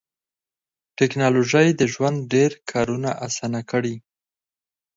ټکنالوژي د ژوند ډېر کارونه اسانه کړي